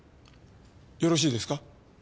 よろしいですか？